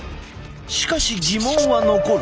しかし疑問は残る。